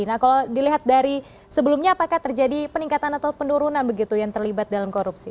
nah kalau dilihat dari sebelumnya apakah terjadi peningkatan atau penurunan begitu yang terlibat dalam korupsi